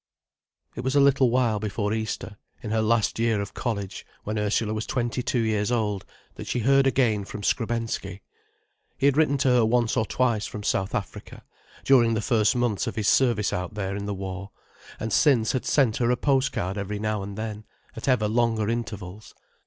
It was a little while before Easter, in her last year of college, when Ursula was twenty two years old, that she heard again from Skrebensky. He had written to her once or twice from South Africa, during the first months of his service out there in the war, and since had sent her a post card every now and then, at ever longer intervals.